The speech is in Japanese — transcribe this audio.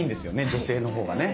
女性のほうがね。